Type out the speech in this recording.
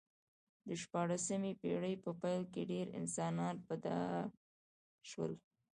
د شپاړسمې پېړۍ په پیل کې ډېر انسانان په دار شول